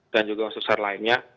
dan juga usus usur lainnya